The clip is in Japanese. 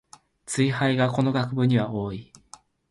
ツイ廃がこの学部には多い